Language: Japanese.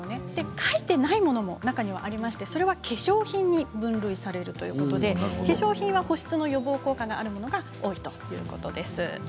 入っていないものも中にはありまして、それは化粧品に分類されるということで化粧品は保湿の予防効果があるものが多いということです。